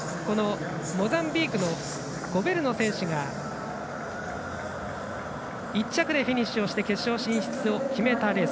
モザンビークのゴベルノ選手が１着でフィニッシュして決勝進出を決めたレース。